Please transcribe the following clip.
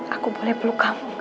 aku boleh peluk kamu